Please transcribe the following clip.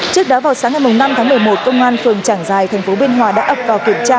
trước đó vào sáng ngày năm tháng một mươi một công an phường trảng giài thành phố biên hòa đã ập vào kiểm tra